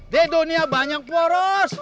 di dunia banyak poros